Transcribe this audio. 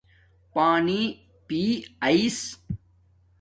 پانی بیݵ آیس